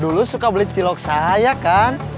dulu suka beli cilok saya kan